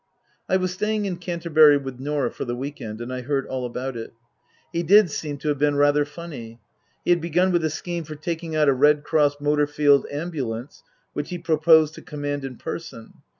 I was staying in Canterbury with Norah for the week end, and I heard all about it. He did seem to have been rather funny. He had begun with a scheme for taking out a Red Cross Motor Field Ambulance which he pro posed to command in person.